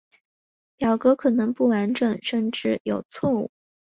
表格可能不完整甚至有错误。